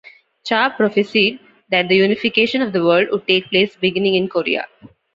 Cha prophesied that the unification of the world would take place beginning in Korea.